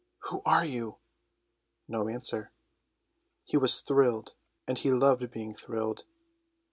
"Who are you?" No answer. He was thrilled, and he loved being thrilled.